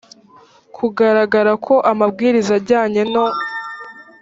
kugaragara ko amabwiriza ajyanye no